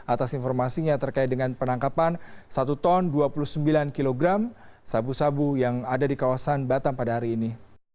atas informasinya terkait dengan penangkapan satu ton dua puluh sembilan kg sabu sabu yang ada di kawasan batam pada hari ini